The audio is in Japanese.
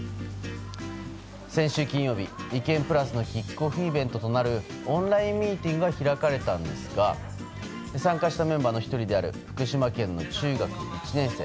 先週金曜日、いけんぷらすのキックオフイベントとなるオンラインミーティングが開かれたんですが参加したメンバーの１人である福島県の中学１年生